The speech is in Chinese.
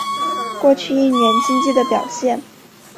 过去一年经济的表现